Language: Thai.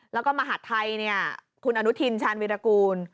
แล้วก็มหาดไทยคุณอนุทินชาญวิรากูล